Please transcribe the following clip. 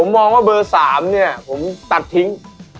ผมมองว่าเบอร์๓เนี่ยผมตัดทิ้ง